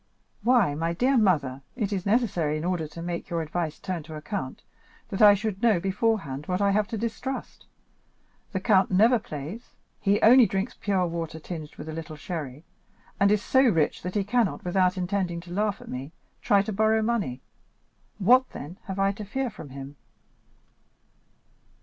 "Why, my dear mother, it is necessary, in order to make your advice turn to account, that I should know beforehand what I have to distrust. The count never plays, he only drinks pure water tinged with a little sherry, and is so rich that he cannot, without intending to laugh at me, try to borrow money. What, then, have I to fear from him?"